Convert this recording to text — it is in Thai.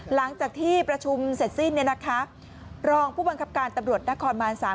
หลังจากที่ประชุมเสร็จสิ้นเนี่ยนะคะรองผู้บังคับการตำรวจนครบาน๓